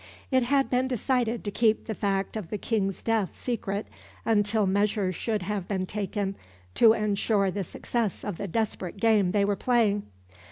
It had been decided to keep the fact of the King's death secret until measures should have been taken to ensure the success of the desperate game they were playing.